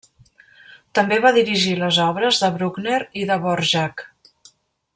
També va dirigir les obres de Bruckner i de Dvorák.